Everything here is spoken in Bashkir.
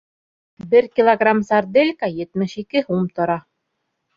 Бер килограмм сарделька етмеш ике һум тора.